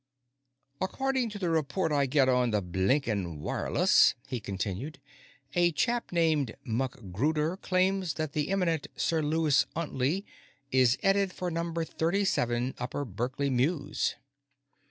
"According to the report I get on the blinkin' wireless," he continued, "a chap named MacGruder claims that the eminent Sir Lewis 'Untley is 'eaded for Number 37 Upper Berkeley Mews."